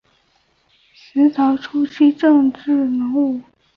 明朝初期政治人物。